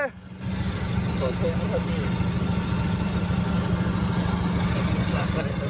โทษทุกคนที่